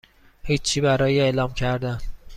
هیچی برای اعلام کردن